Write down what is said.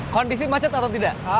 kondisi macet atau tidak